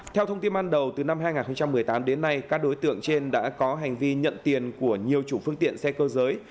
theo thông tin ban đầu từ năm hai nghìn một mươi tám đến nay các đối tượng trên đã có hành vi nhận tiền của nhiều chủ phương tiện xe cơ giới